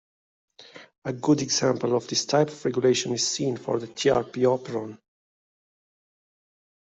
A good example of this type of regulation is seen for the trp operon.